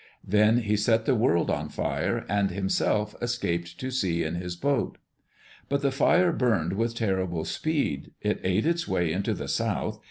Then he set the world on fire, and himself escaped to sea in his boat. But the fire burned with terrible speed. It ate its way into the south.